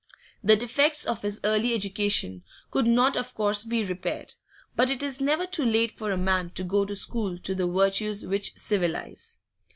The defects of his early education could not of course be repaired, but it is never too late for a man to go to school to the virtues which civilise.